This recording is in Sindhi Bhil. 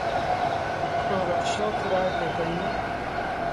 هڪڙو رڪشو ڪرئي تي ڪيٚم ۔